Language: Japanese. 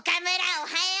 おはよう。